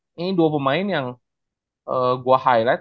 ini dua pemain yang gue highlight